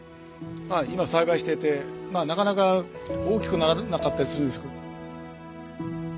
今栽培しててなかなか大きくならなかったりするんですけど。